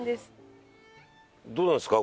どうなんですか？